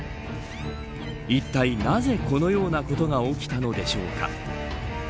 いったいなぜこのようなことが起きたのでしょうか。